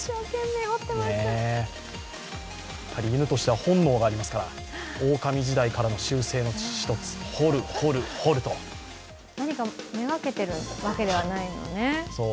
やっぱり犬としては本能がありますから、オオカミ時代からの習性の一つ何かを目がけているわけではないものね？